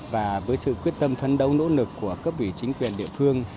và với sự quyết tâm phấn đấu nỗ lực của cấp ủy chính quyền địa phương